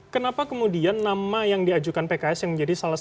kenapa kemudian nama yang diajukan pks yang menjadi salah satu